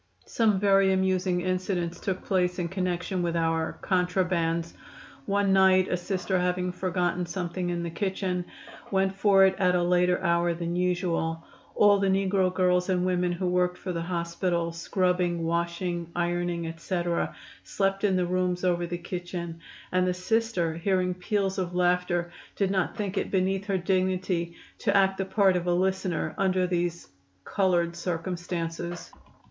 Some very amusing incidents took place in connection with our "contrabands." One night a Sister, having forgotten something in the kitchen, went for it at a later hour than usual. All the negro girls and women who worked for the hospital scrubbing, washing, ironing, etc. slept in the rooms over the kitchen; and the Sister, hearing peals of laughter, did not think it beneath her dignity to act the part of a listener under these "colored" circumstances.